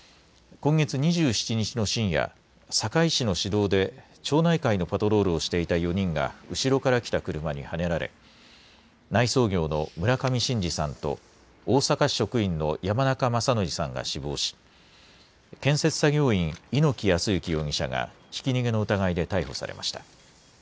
今月２７日の深夜、堺市の市道で町内会のパトロールをしていた４人が後ろから来た車にはねられ、内装業の村上伸治さんと、大阪市職員の山中正規さんが死亡し、建設作業員の猪木康之容疑者がひき逃げの疑いで逮捕されました。